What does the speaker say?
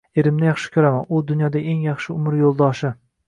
Erimni yaxshi koʻraman, u dunyodagi eng yaxshi umr yoʻldoshi